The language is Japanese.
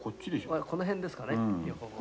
この辺ですかね横棒が。